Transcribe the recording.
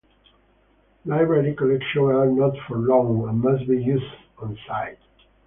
Library collections are not for loan and must be used on site.